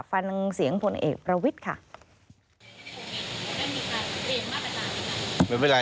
ฟังเสียงพลเอกประวิทย์ค่ะ